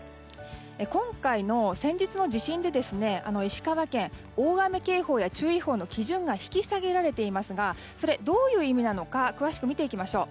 今回、先日の地震で石川県に大雨警報や注意報の基準が引き下げられていますがそれはどういう意味なのか詳しく見ていきましょう。